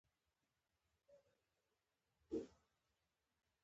هوښیار خلک خبرې ارزوي